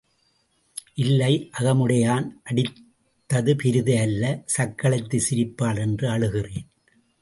இல்லை, அகமுடையான் அடித்தது பெரிது அல்ல சக்களத்தி சிரிப்பாள் என்று அழுகிறேன்.